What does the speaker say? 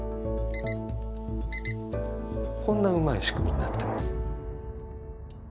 こんなうまい仕組みになってます。